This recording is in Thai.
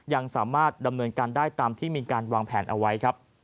ยังสามารถดำเนินการได้ตามที่มีการวางแผนเอาไว้ครับ